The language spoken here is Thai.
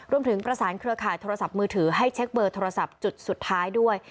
รวมถึงประสานเครือข่ายโทรศัพท์มือถือให้เช็คเบอร์โทรศัพท์จุดสุดท้ายด้วย